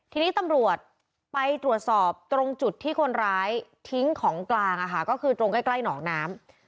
ทีนี้ตำรวจไปตรวจสอบตรงจุดที่คนร้ายทิ้งของกลางก็คือตรงใกล้หนองน้ำ